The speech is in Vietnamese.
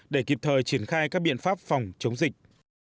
để kịp thời triển khai các biện pháp phòng chống dịch